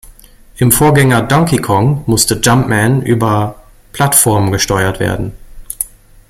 Im Vorgänger Donkey Kong musste „Jumpman“ über Plattformen gesteuert werden.